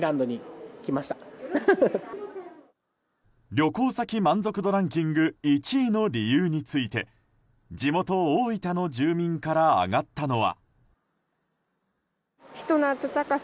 旅行先満足度ランキング１位の理由について地元・大分の住民から挙がったのは。